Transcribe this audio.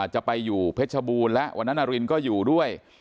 จะไปอยู่เพชรบูรณ์และวันนั้นนารินก็อยู่ด้วย